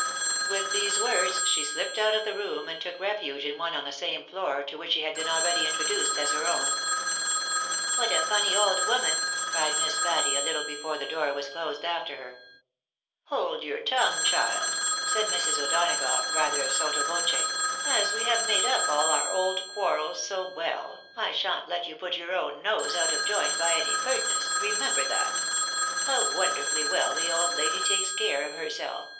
' With these words she shpped out of the room, and took refuge in one on the same floor, to which she had been already introduced as her own. ASSTTRANCE OF GENTILITY. 149 "What a fanny old woman! "cried Miss Patty, a little before the door was closed after her. " Hold your tongue, child !" said Mrs. O'Donagough, rather sotto voce; " as we have made up aU our old quarrels so well, I shan't let you put your own nose out of joint by any pertness, remember that. How wonderfully well the old lady takes care of herself!